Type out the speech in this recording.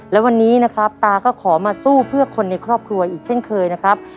และวันนี้นะครับตาก็ขอมาสู้เพื่อคนในครอบครัวอีกเช่นเคยนะครับ